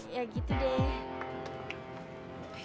ya gitu deh